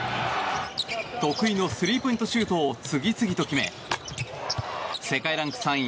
得意のスリーポイントシュートを次々と決め世界ランク３位